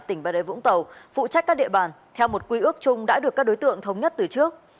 tỉnh bà rê vũng tàu phụ trách các địa bàn theo một quy ước chung đã được các đối tượng thống nhất từ trước